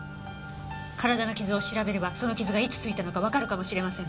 体の傷を調べればその傷がいつついたのかわかるかもしれません。